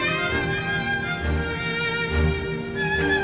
mama sudah senang